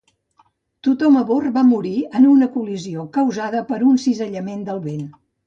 Tothom a abord va morir en una col·lisió causada per un cisallament del vent.